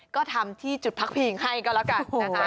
ก็ทำที่จุดพักพิงให้ก็แล้วกันนะคะ